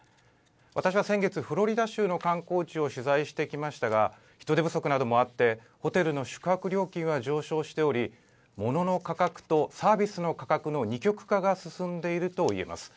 私は先月、フロリダ州の観光地を取材してきましたが、人手不足などもあって、ホテルの宿泊料金は上昇しており、モノの価格とサービスの価格の二極化が進んでいるといえます。